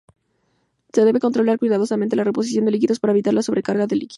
Se debe controlar cuidadosamente la reposición de líquidos para evitar la sobrecarga de líquidos.